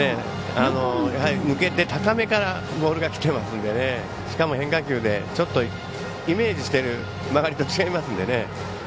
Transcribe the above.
やはり抜けて高めからボールがきてますんでしかも変化球でちょっとイメージしてる曲がりと違いますんでね。